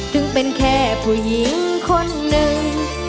ถึงเป็นแค่ผู้หญิงคนหนึ่ง